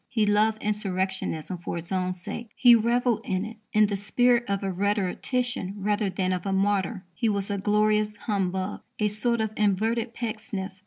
He loved insurrectionism for its own sake. He revelled in it in the spirit of a rhetorician rather than of a martyr. He was a glorious humbug, a sort of inverted Pecksniff.